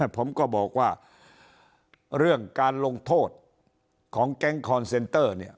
ผมก็บอกว่าเรื่องการลงโทษของแก๊งคอนเซนเตอร์เนี่ย